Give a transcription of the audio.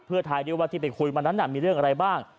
เพื่อไทยด้วยว่าที่ไปคุยมานั้นมีเรื่องอะไรบ้าง